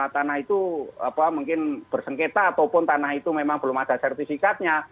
tanah itu mungkin bersengketa ataupun tanah itu memang belum ada sertifikatnya